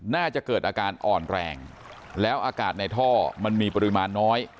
น่าจะเกิดอาการอ่อนแรงแล้วอากาศในท่อมันมีปริมาณน้อย